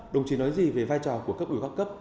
đồng chí nói gì về vai trò của cấp ủy các cấp